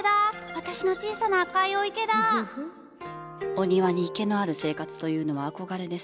お庭に池のある生活というのは憧れです。